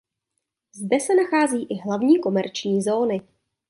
Zde se nachází i hlavní komerční zóny.